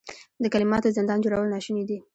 د کلماتو زندان جوړول ناشوني دي.